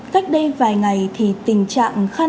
cách đây vài ngày thì tình trạng khăn